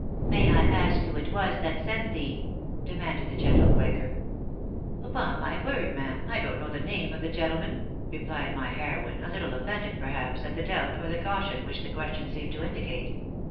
'' May I ask who it was that sent thee?"demanded the gentle quaker " Upon my word, ma'am, I don't know the name of the gentle man," replied my heroine, a little offended, perhaps, at the doubt, or the caution, which the question seemed to indicate.